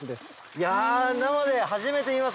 いや生で初めて見ますけどおぉ！